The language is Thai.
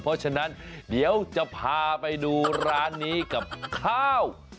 เพราะฉะนั้นเดี๋ยวจะพาไปดูร้านนี้กับข้าว